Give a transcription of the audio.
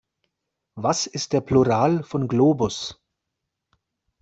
Was ist der Plural von Globus?